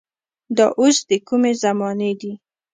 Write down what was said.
دا اوس د کومې زمانې دي.